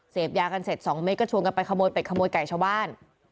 เสพยากันเสร็จ๒เม็ดก็ชวนกันไปขโมยเป็ดขโมยไก่ชาวบ้าน